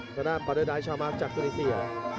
นั่งหนักเลยครับสถานบัตรดายชาวมาฟจากตูนิสี